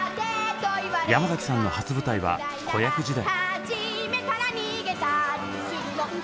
山崎さんの初舞台は子役時代。